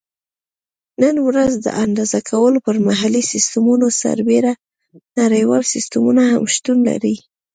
نن ورځ د اندازه کولو پر محلي سیسټمونو سربیره نړیوال سیسټمونه هم شتون لري.